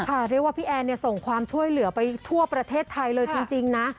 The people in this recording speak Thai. เรียกว่าพี่แอนเนี่ยส่งความช่วยเหลือไปทั่วประเทศไทยเลยจริงนะ